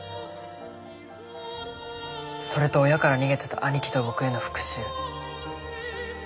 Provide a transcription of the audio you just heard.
それと親から逃げてた兄貴と僕への復讐。